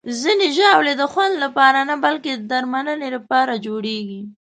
ځینې ژاولې د خوند لپاره نه، بلکې د درملنې لپاره جوړېږي.